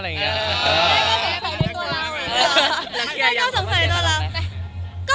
แม่ก็สงสัยในตัวเรา